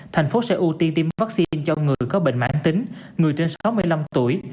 thành phố sẽ ưu tiên tiêm vaccine cho người có bệnh mãn tính người trên sáu mươi năm tuổi